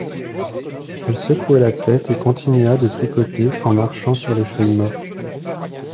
Elle secoua la tête, et continua de tricoter en marchant sur les feuilles mortes.